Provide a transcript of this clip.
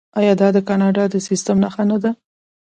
آیا دا د کاناډا د سیستم نښه نه ده؟